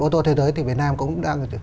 ô tô thế giới thì việt nam cũng đang